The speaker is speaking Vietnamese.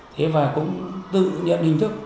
thế và cũng tự nhận hình thức